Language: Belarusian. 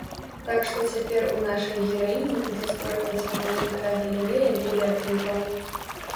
Так што цяпер у нашай гераіні ўжо стварылася маленькая галерэя відэакліпаў.